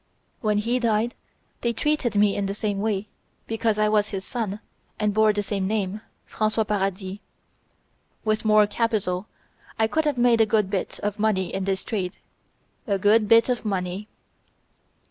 When he died they treated me in the same way be cause I was his son and bore the same name, François Paradis. With more capital I could have made a good bit of money in this trade a good bit of money."